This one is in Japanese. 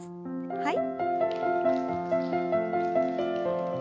はい。